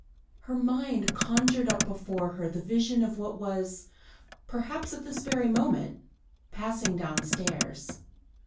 Her mind conjured up before her the vision of what was, perhaps at this very moment, passing downstairs.